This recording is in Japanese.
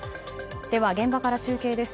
では現場から中継です。